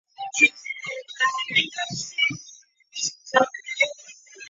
他的继承者阿尔斯兰在位时终生向菊儿汗称臣纳贡。